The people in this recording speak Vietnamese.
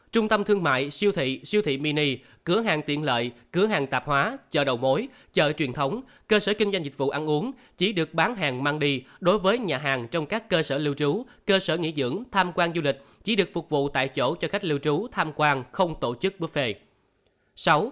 trung tâm thương mại siêu thị siêu thị mini cửa hàng tiện lợi cửa hàng tạp hóa chợ đầu mối chợ truyền thống cơ sở kinh doanh dịch vụ ăn uống chỉ được bán hàng mang đi đối với nhà hàng trong các cơ sở lưu trú cơ sở nghỉ dưỡng tham quan du lịch chỉ được phục vụ tại chỗ cho khách lưu trú tham quan không tổ chức bước về